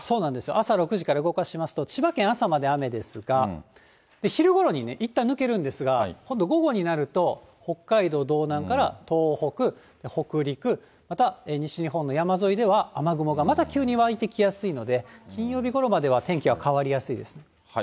朝６時から動かしますと、千葉県、朝まで雨ですが、昼ごろに、いったん抜けるんですが、今度、午後になると、北海道道南から東北、北陸、また西日本の山沿いでは雨雲がまた急に湧いてきやすいので、金曜日ごろまでは天気は変わりやすいです。